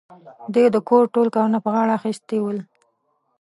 دې د کور ټول کارونه په غاړه اخيستي ول.